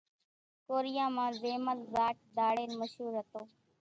ڪوريان مان زيمل زاٽ ڌاڙيل مشُور هتو۔